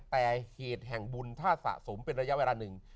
แต่เหตุแห่งบุญถ้าสะสมเป็นระยะเวลาหนึ่ง